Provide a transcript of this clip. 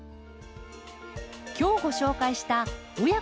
今日ご紹介した「親子で楽しむ！